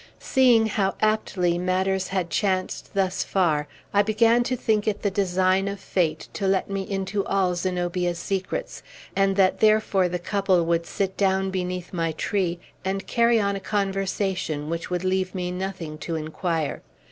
Seeing how aptly matters had chanced thus far, I began to think it the design of fate to let me into all Zenobia's secrets, and that therefore the couple would sit down beneath my tree, and carry on a conversation which would leave me nothing to inquire.